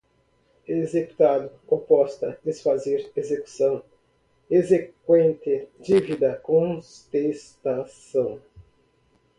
executado, oposta, desfazer, execução, exequente, dívida, contestação